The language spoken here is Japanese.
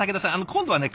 今度はね